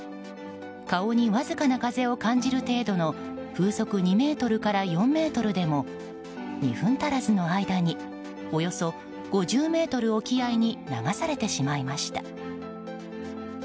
顔にわずかな風を感じる程度の風速２メートルから４メートルでも２分足らずの間におよそ５０ｍ沖合に流されてしまいました。